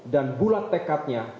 dan bulat tekadnya